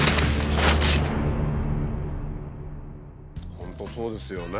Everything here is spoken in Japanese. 本当そうですよね。